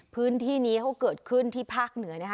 พื้นที่นี้เขาเกิดขึ้นที่ภาคเหนือนะคะ